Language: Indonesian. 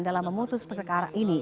dalam memutus perkara